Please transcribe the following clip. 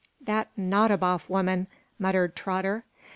That Nadiboff woman!" muttered Trotter.